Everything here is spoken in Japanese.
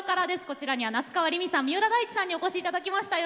こちらには夏川りみさん三浦大知さんにお越し頂きました。